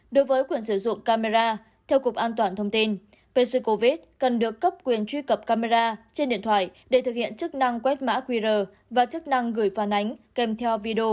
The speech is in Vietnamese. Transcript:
đối với quyền sử dụng camera theo cục an toàn thông tin pc covid cần được cấp quyền truy cập camera trên điện thoại để thực hiện chức năng quét mã qr và chức năng gửi phản ánh kèm theo viện truy cập